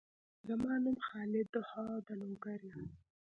زما نوم خالد دهاو د لوګر یم